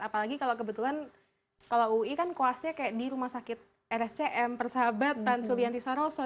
apalagi kalau kebetulan kalau ui kan kelasnya kayak di rumah sakit rscm persahabatan sulianti saroso